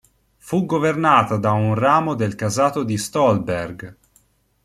Fu governata da un ramo del casato di Stolberg.